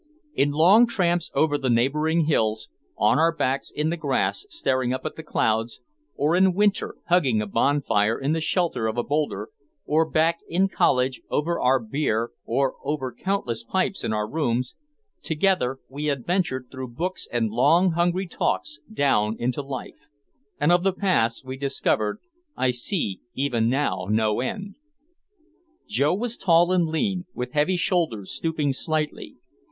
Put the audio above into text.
In long tramps over the neighboring hills, on our backs in the grass staring up at the clouds, or in winter hugging a bonfire in the shelter of a boulder, or back in college over our beer or over countless pipes in our rooms, together we adventured through books and long hungry talks down into life and of the paths we discovered I see even now no end. Joe was tall and lean, with heavy shoulders stooping slightly.